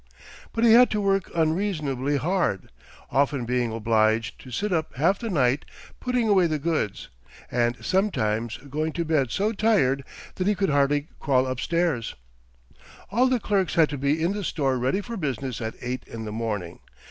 But he had to work unreasonably hard, often being obliged to sit up half the night putting away the goods, and sometimes going to bed so tired that he could hardly crawl up stairs. All the clerks had to be in the store ready for business at eight in the morning.